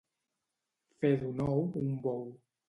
Fer d'un ou un bou.